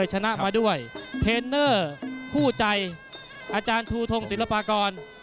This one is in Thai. ชนะมาด้วยเทรนเนอร์คู่ใจอาจารย์ทูทงศิลปากร